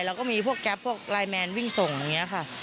แล้วก็มีพวกแก๊ปพวกไลน์แมนวิ่งส่งอย่างนี้ค่ะ